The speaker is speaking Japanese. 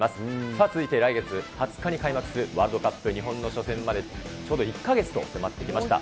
さあ続いて、来月２０日に開幕するワールドカップ、日本の初戦まで、ちょうど１か月と迫ってきました。